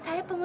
saya ibu remi